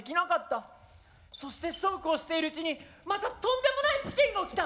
そしてそうこうしているうちにまたとんでもない事件が起きた！